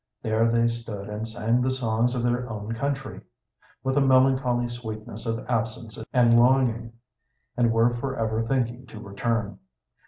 There they stood and sang the songs of their own country, with a melancholy sweetness of absence and longing, and were forever thinking to return.